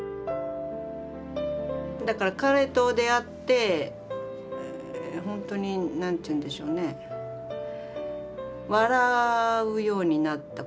だから彼と出会って本当に何て言うんでしょうね笑うようになった。